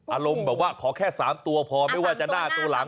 อารมณ์แบบว่าขอแค่๓ตัวพอไม่ว่าจะหน้าตัวหลัง